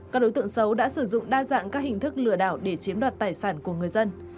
các đối tượng xấu đã sử dụng đa dạng các hình thức lừa đảo để chiếm đoạt tài sản của người dân